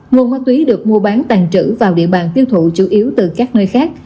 nguồn ma túy được mua bán tàn trữ vào địa bàn tiêu thụ chủ yếu từ các nơi khác